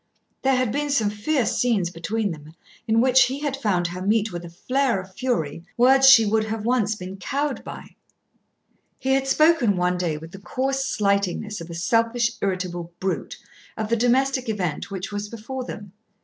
There had been some fierce scenes between them in which he had found her meet with a flare of fury words she would once have been cowed by. He had spoken one day with the coarse slightingness of a selfish, irritable brute, of the domestic event which was before them.